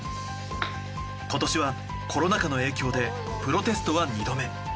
今年はコロナ禍の影響でプロテストは２度目。